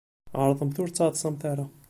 Ɛeṛḍemt ur d-ttaḍṣamt ara.